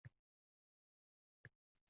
Tog’lar aro bir oydin buloq